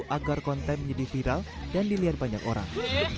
agar konten menjadi viral dan dilihat banyak orang